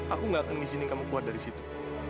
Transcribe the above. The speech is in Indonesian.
aku gak akan izinin kamu membuat dari situ